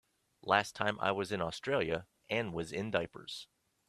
Last time I was in Australia Anne was in diapers.